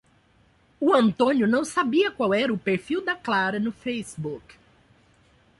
O Antônio não sabia qual era o perfil da Clara no Facebook